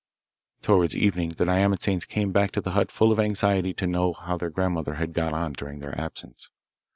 Towards evening the nyamatsanes came back to the hut full of anxiety to know how their grandmother had got on during their absence.